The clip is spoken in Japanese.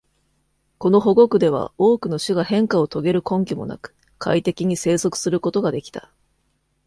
この保護区では、多くの種が変化を遂げる根拠もなく、快適に生息することができた。